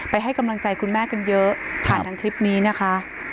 ให้กำลังใจคุณแม่กันเยอะผ่านทางคลิปนี้นะคะ